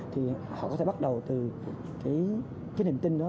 thì họ có thể bắt đầu từ cái niềm tin đó